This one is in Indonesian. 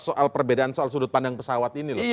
soal perbedaan soal sudut pandang pesawat ini loh